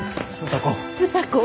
歌子。